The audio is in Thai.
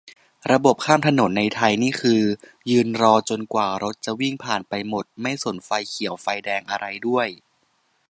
ระบบข้ามถนนในไทยนี่คือ ยืนรอจนกว่ารถจะวิ่งผ่านไปหมด ไม่สนไฟเขียวไฟแดงอะไรด้วย